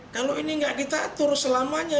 kalau ini nggak ditatur selamanya